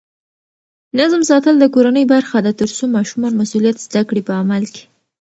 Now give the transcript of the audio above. نظم ساتل د کورنۍ برخه ده ترڅو ماشومان مسؤلیت زده کړي په عمل کې.